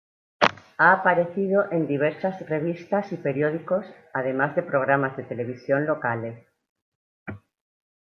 Ha aparecido en diversas revistas y periódicos además de programas de televisión locales.